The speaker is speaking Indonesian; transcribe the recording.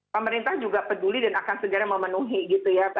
pemerintah juga peduli dan akan segera memenuhi gitu ya